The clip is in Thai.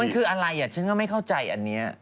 มันคืออะไรฉันก็ไม่เข้าใจอันนี้